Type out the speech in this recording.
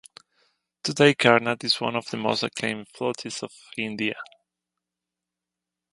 Today Karnad is one of the most acclaimed flutists of India.